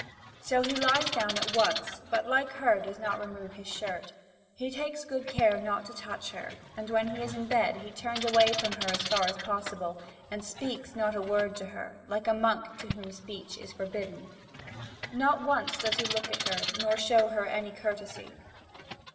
So he lies down at once, but like her, he does not remove his shirt. He takes good care not to touch her; and when he is in bed, he turns away from her as far as possible, and speaks not a word to her, like a monk to whom speech is forbidden. Not once does he look at her, nor show her any courtesy.